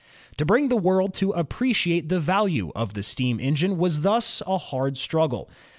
To bring the world to appreciate the value of the steam engine was thus a hard struggle.